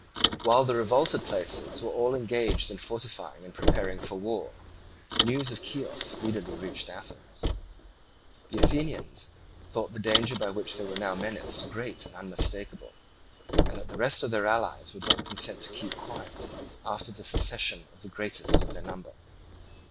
While the revolted places were all engaged in fortifying and preparing for the war, news of Chios speedily reached Athens. The Athenians thought the danger by which they were now menaced great and unmistakable, and that the rest of their allies would not consent to keep quiet after the secession of the greatest of their number.